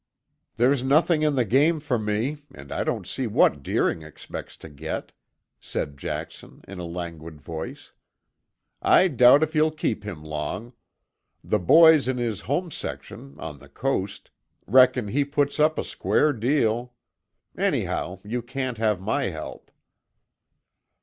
"There's nothing in the game for me, and I don't see what Deering expects to get," said Jackson in a languid voice. "I doubt if you'll keep him long; the boys in his home section, on the coast, reckon he puts up a square deal. Anyhow, you can't have my help."